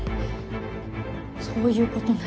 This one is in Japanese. そういうことなら。